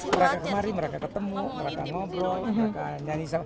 mereka kemari mereka ketemu mereka ngobrol mereka nyanyi